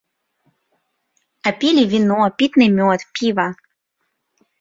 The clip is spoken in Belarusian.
А пілі віно, пітны мёд, піва.